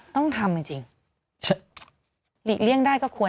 ต้องทำจริงหลีกเลี่ยงได้ก็ควร